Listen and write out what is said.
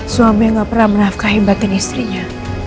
suami yang gak pernah menafkah imbatin istrinya